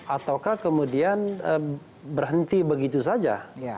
ataukah kemudian berhenti begitu saja